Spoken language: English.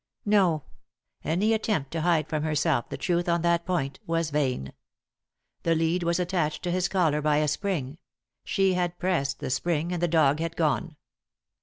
No ; any attempt to hide from herself the truth on that point was vain. The lead was attached to his collar by a spring ; she had pressed the spring, and the dog had gone.